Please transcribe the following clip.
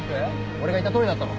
俺が言ったとおりだったろ。